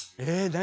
何？